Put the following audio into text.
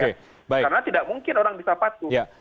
karena tidak mungkin orang bisa patuh